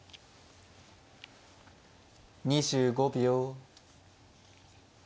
２５秒。